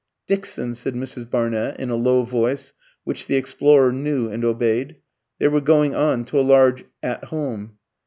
"Dixon," said Mrs. Barnett in a low voice which the explorer knew and obeyed. They were going on to a large "At Home."